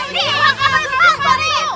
ya uci uang kamu palsu